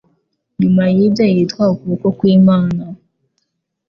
Nyuma y’ibyo Yitwa Ukuboko kwImana